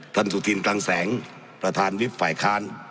ท่านสุธินกลางแสงประธานวิทย์ฝ่ายค้าน